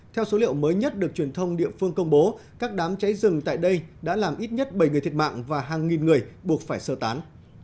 theo số liệu mới nhất được truyền thông địa phương công bố các đám cháy rừng tại đây đã làm ít nhất bảy người thiệt mạng và hàng nghìn người buộc phải sơ tán